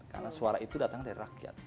karena suara itu datang dari rakyat